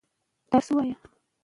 انجنیران روباټونه ازمويي.